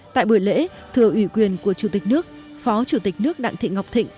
tại buổi lễ thưa ủy quyền của chủ tịch nước phó chủ tịch nước đặng thị ngọc thịnh